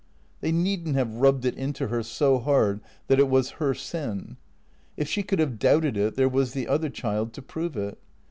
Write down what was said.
They need n't have rubbed it into her so hard that it was her sin. If she could have doubted it there was the other child to prove it.